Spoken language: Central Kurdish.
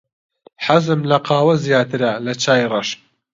حەزم لە قاوە زیاترە لە چای ڕەش.